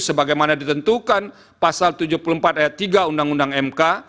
sebagaimana ditentukan pasal tujuh puluh empat ayat tiga undang undang mk